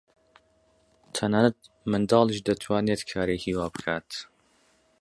تەنانەت منداڵیش دەتوانێت کارێکی وا بکات.